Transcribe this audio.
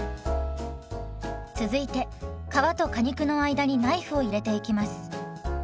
続いて皮と果肉の間にナイフを入れていきます。